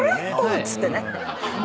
っつってね。